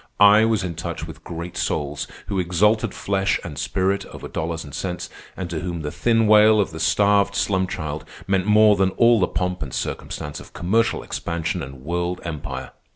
I was in touch with great souls who exalted flesh and spirit over dollars and cents, and to whom the thin wail of the starved slum child meant more than all the pomp and circumstance of commercial expansion and world empire.